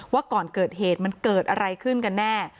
ว่าก่อนเกิดเหตุมันเกิดอะไรขึ้นกันแน่